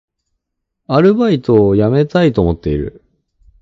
アルバイトを辞めたいと思っている